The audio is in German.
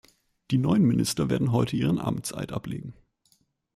Die neuen Minister werden heute ihren Amtseid ablegen.